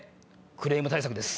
クレーム対策です。